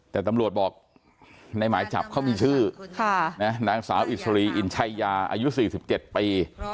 แต่ตำรวจบอกในหมายจับเขามีชื่อนางสาวอิสรีอินชัยยาอายุ๔๗ปี